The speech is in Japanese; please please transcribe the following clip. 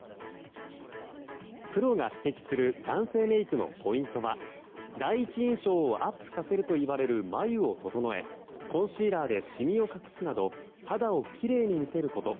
プロが指摘する男性メイクのポイントは第一印象をアップさせるといわれる、眉を整えコンシーラーでシミを隠すなど肌をきれいに見せること。